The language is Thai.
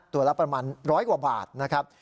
ตัวละประมาณ๑๐๐กว่าบาทนะครับ